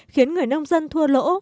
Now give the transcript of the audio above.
khiến người nông dân thua lỗ